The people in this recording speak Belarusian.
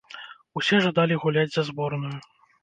Усе жадалі гуляць за зборную.